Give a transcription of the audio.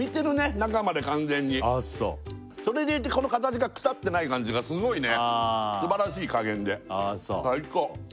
中まで完全にそれでいてこの形がくたってない感じがすごいね素晴らしい加減で最高ああ